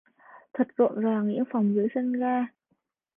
Thật rộn ràng những phòng cưới sân ga